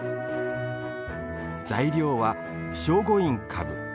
材料は、聖護院かぶ。